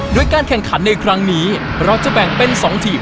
โดยการแข่งขันในครั้งนี้เราจะแบ่งเป็น๒ทีม